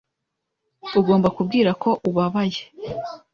Ugomba kubwira ko ubabaye.